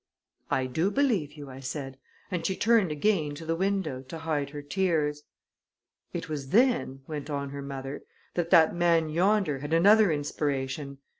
"I do believe you," I said; and she turned again to the window to hide her tears. "It was then," went on her mother, "that that man yonder had another inspiration.